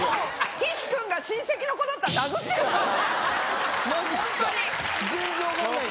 岸君が親戚の子だったら殴っまじっすか？